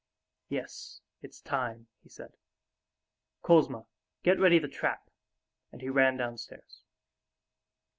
"Yes, it's time," he said. "Kouzma, get ready the trap," and he ran downstairs.